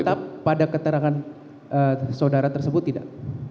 tetap pada keterangan saudara tersebut tidak